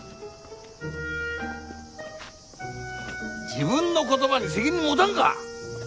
自分の言葉に責任持たんか！